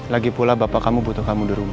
lagi pula bapak kamu butuh kamu di rumah